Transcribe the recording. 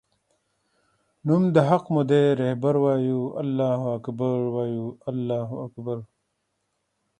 نوم د حق مودی رهبر وایو الله اکبر وایو الله اکبر